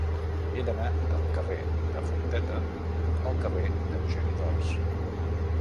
He d'anar del carrer de Fonteta al carrer d'Eugeni d'Ors.